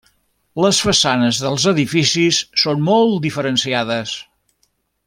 Les façanes dels edificis són molt diferenciades.